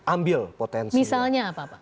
ambil potensi misalnya apa pak